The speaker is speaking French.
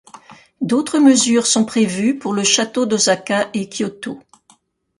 D'autres mesures sont prévues pour le château d'Osaka et Kyoto.